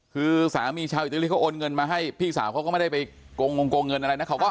คือสามีชาวอิตาลีเขาโอนเงินมาให้พี่สาวเขาก็ไม่ได้ไปโกงงโกงเงินอะไรนะเขาก็